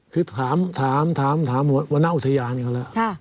คือถามวรรณอุทยานกันแล้ว